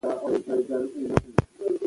نه، ځینې وختونه عطر لازمي وي.